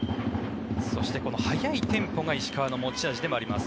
そして、速いテンポが石川の持ち味でもあります。